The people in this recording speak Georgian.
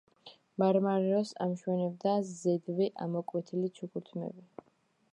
მარმარილოს ამშვენებდა ზედვე ამოკვეთილი ჩუქურთმები.